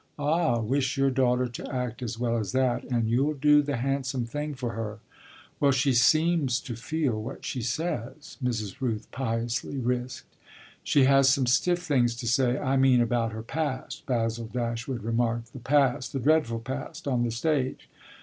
"Ah wish your daughter to act as well as that and you'll do the handsome thing for her!" "Well, she seems to feel what she says," Mrs. Rooth piously risked. "She has some stiff things to say. I mean about her past," Basil Dashwood remarked. "The past the dreadful past on the stage!"